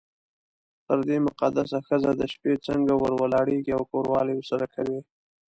پر دې مقدسه ښځه د شپې څنګه ور ولاړېږې او کوروالی ورسره کوې.